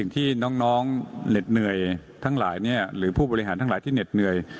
ที่น้องเหล็ดเหนื่อยทั้งหลายหรือผู้บริหารทั้งหลายที่เหน็ดเหนื่อย